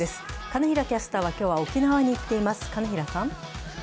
金平キャスターは、今日は沖縄に行っています。